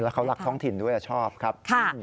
เขารักท้องถิ่นด้วยชอบครับ